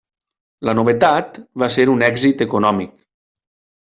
La novetat va ser un èxit econòmic.